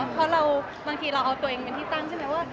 เพราะเราบางทีเราเอาตัวเองเป็นที่ตั้งใช่ไหมว่า